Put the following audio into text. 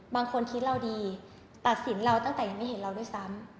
บางคนคิดเราดีตัดสินเราตั้งแต่ยังไม่เห็นเราด้วยซ้ำ